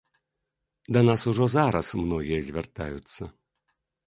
Да нас ужо зараз многія звяртаюцца.